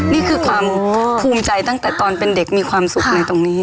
นี่คือความภูมิใจตั้งแต่ตอนเป็นเด็กมีความสุขในตรงนี้